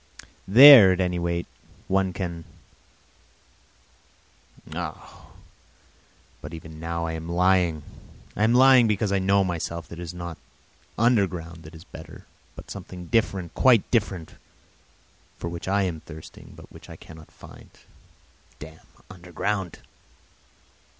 There, at any rate, one can ... Oh, but even now I am lying! I am lying because I know myself that it is not underground that is better, but something different, quite different, for which I am thirsting, but which I cannot find! Damn underground!